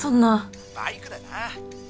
バイクだな。